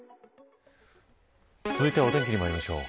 続いてはお天気にまいりましょう。